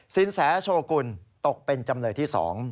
สินแสโชกุลตกเป็นจำเลยที่๒